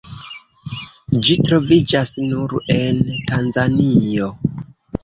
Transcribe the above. Ĝi troviĝas nur en Tanzanio.